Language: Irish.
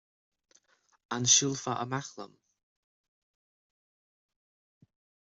An siúlfá amach liom?